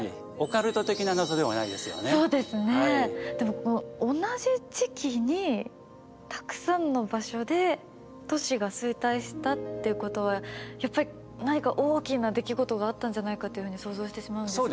でもこの同じ時期にたくさんの場所で都市が衰退したっていうことはやっぱり何か大きな出来事があったんじゃないかというふうに想像してしまうんですが。